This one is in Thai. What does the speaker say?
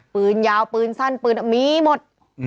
ปืนยาวปืนสั้นปืนมีหมด